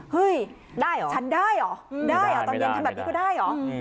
เฮ้ยได้เหรอฉันได้เหรอได้เหรอตอนเย็นทำแบบนี้ก็ได้เหรอ